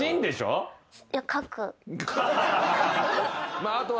まああとは。